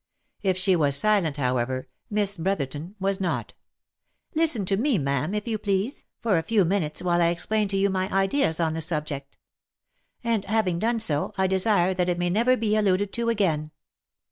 If she was silent, however, Miss Brotherton was not. " Listen to me, ma'am, if you please, for a few minutes, while I explain to you my ideas on the subject ; and having done so, I desire that it may never be alluded to again.